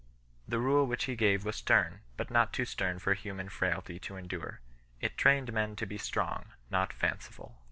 The Rule which he gave was stern, but not too stern for human frailty to endure. It trained men to be strong, not fanciful.